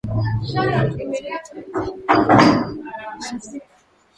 mapokezi ya watalii kwenye hifadhi yanaridhisha sana